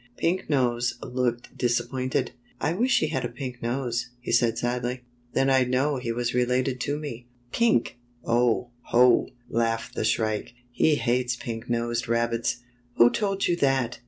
Pink Nose looked disappointed. ''I wish he had a pink nose," he said sadly. " Then I'd know he was related to me." ''Pink! Oh! Ho! ''laughed the Shrike. "He hates pink nosed rabbits." "Who told you that?"